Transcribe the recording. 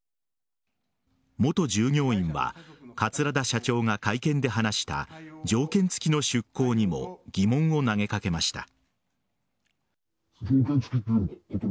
元従業員は桂田社長が会見で話した条件付きの出港にも疑問を投げかけました。